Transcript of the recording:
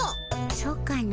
そうかの。